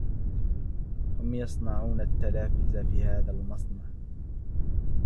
هم يصنعون التلافز في هذا المصنع.